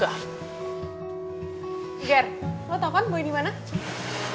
ger lo tau kan boy dimana